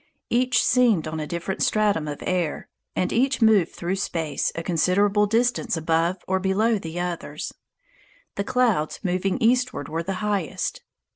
Each seemed on a different stratum of air, and each moved through space a considerable distance above or below the others. The clouds moving eastward were the highest.